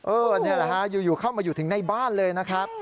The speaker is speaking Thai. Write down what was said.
นี่แหละฮะอยู่เข้ามาอยู่ถึงในบ้านเลยนะครับ